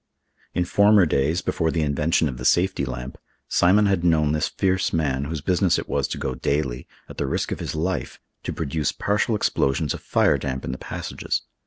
In former days, before the invention of the safety lamp, Simon had known this fierce man, whose business it was to go daily, at the risk of his life, to produce partial explosions of fire damp in the passages.